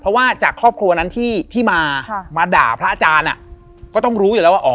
เพราะว่าจากครอบครัวนั้นที่พี่มามาด่าพระอาจารย์ก็ต้องรู้อยู่แล้วว่าอ๋อ